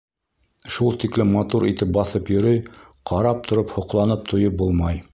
Шул тиклем матур итеп баҫып йөрөй, ҡарап тороп һоҡланып туйып булмай.